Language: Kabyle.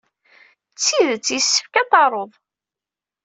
D tidet yessefk ad t-taruḍ.